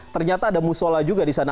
ternyata ada musola juga di sana